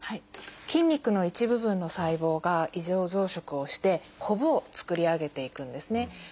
筋肉の一部分の細胞が異常増殖をしてコブを作り上げていくんですね。